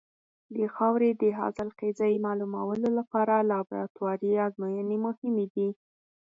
د خاورې د حاصلخېزۍ معلومولو لپاره لابراتواري ازموینې مهمې دي.